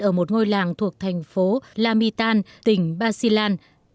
ở một ngôi làng thuộc thành phố lamitan tỉnh basilan